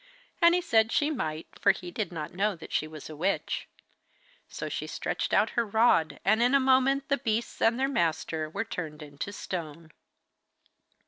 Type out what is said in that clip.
And he said she might, for he did not know that she was a witch. So she stretched out her rod, and in a moment the beasts and their master were turned into stone.